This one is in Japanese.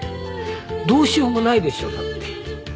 どうしようもないでしょうだって。